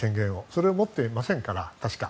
それを持ってませんから、確か。